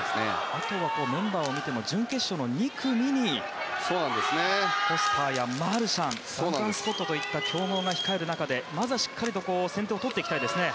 あとは、メンバーを見ても準決勝の２組にフォスターやマルシャンダンカン・スコットといった強豪が控える中でまずはしっかりと先手を取っていきたいですね。